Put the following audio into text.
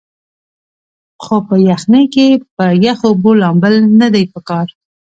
خو پۀ يخنۍ کښې پۀ يخو اوبو لامبل نۀ دي پکار